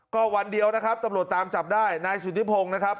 ก็วันเดียวนะครับตำรวจตามจับได้นายสุธิพงศ์นะครับ